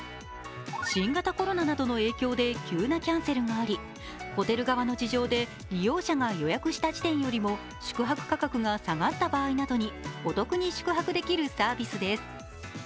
新型コロナなどの影響で急なキャンセルがありホテル側の事情で利用者が予約した時点よりも宿泊価格が下がった場合などにお得に宿泊できるサービスです。